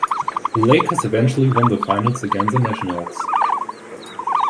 The Lakers eventually won the Finals against the Nationals.